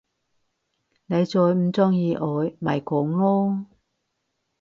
你再唔中意我，咪講囉！